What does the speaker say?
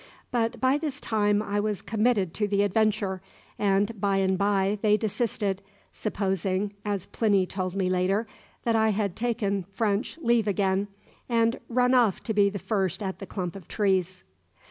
But by this time I was committed to the adventure, and by and by they desisted, supposing (as Plinny told me later) that I had taken French leave again, and run off to be first at the clump of trees.